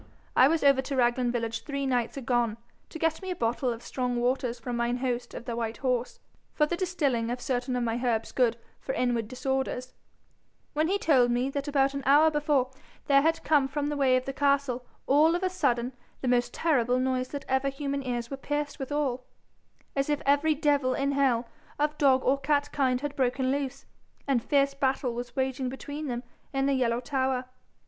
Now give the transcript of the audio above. I was over to Raglan village three nights agone, to get me a bottle of strong waters from mine host of the White Horse, for the distilling of certain of my herbs good for inward disorders, when he told me that about an hour before there had come from the way of the castle all of a sudden the most terrible noise that ever human ears were pierced withal, as if every devil in hell of dog or cat kind had broken loose, and fierce battle was waging between them in the Yellow Tower.